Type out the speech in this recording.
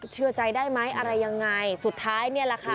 เชื่อใจได้ไหมอะไรยังไงสุดท้ายเนี่ยแหละค่ะ